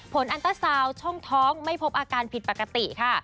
อันตราซาวน์ช่องท้องไม่พบอาการผิดปกติค่ะ